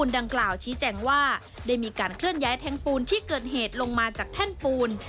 ดังกล่าวชี้แจงว่าได้มีการเคลื่อนย้ายแท่งปูนที่เกิดเหตุลงมาจากแท่นปูน